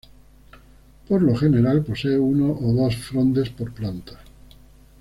Por lo general posee uno o dos frondes por planta.